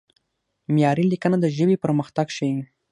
معیاري لیکنه د ژبې پرمختګ ښيي.